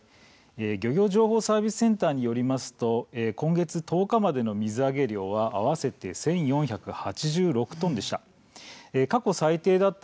漁業情報サービスセンターによりますと今月１０日までの水揚げ量は合わせて１４８６トンでした。